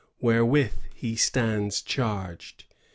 197 with he stands charged."